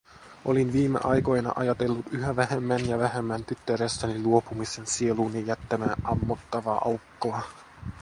Olin viimeaikoina ajatellut yhä vähemmän ja vähemmän tyttärestäni luopumisen sieluuni jättämää ammottavaa aukkoa.